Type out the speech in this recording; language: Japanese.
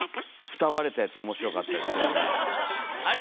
フタ割れたやつ面白かったですけどねえ。